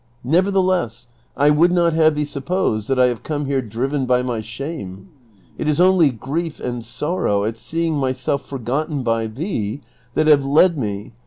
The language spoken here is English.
Nevertheless, I would not have thee suppose that I have come here driven by my shame ; it is only grief and sorrow at seeing myself forgotten by thee that have led me.